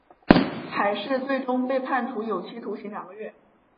海氏最终被判处有期徒刑两个月。